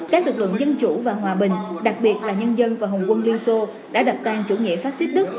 các lực lượng dân chủ và hòa bình đặc biệt là nhân dân và hồng quân liên xô đã đập tàn chủ nghĩa phát xít đức